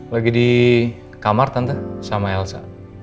lagi di kamar tante sama elsa